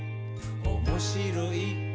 「おもしろい？